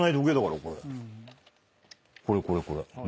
これこれこれ。